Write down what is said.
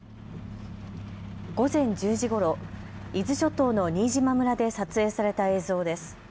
午前１０時ごろ、伊豆諸島の新島村で撮影された映像です。